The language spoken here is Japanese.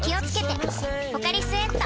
「ポカリスエット」